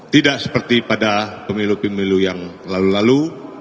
tidak seperti pada pemilu pemilu yang lalu lalu